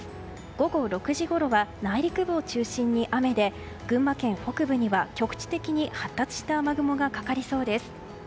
午後６時ごろは内陸部を中心に雨で群馬県北部には、局地的に発達した雨雲がかかりそうです。